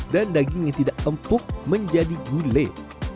dan daging yang tidak empuk menjadi gulai